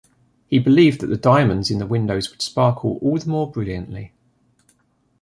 He believed that the diamonds in the windows would sparkle all the more brilliantly.